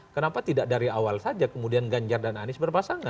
kenapa tidak dari awal saja kemudian ganjar dan anies berpasangan